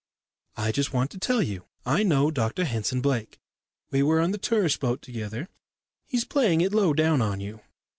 "I just want to tell you. I know Dr Henson Blake we were on the tourist boat together. He's playing it low down on you.